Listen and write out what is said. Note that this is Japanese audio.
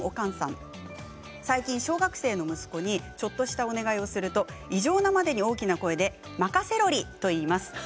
最近、小学生の息子にちょっとしたお願いをすると異常なまでに大きな声でまかセロリと言います。